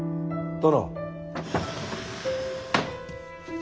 殿。